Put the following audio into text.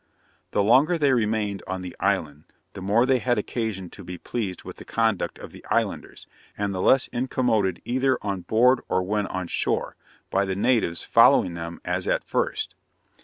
The longer they remained on the island, the more they had occasion to be pleased with the conduct of the islanders, and the less incommoded either on board or when on shore, by the natives following them as at first.